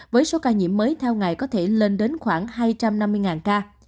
với số ca nhiễm mới theo ngày có thể lên đến khoảng hai trăm năm mươi ca